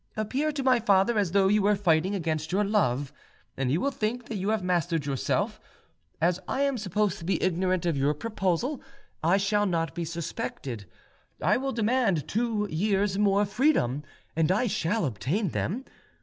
Appear to my father as though you were fighting against your love, and he will think that you have mastered yourself. As I am supposed to be ignorant of your proposal, I shall not be suspected. I will demand two years' more freedom, and I shall obtain them.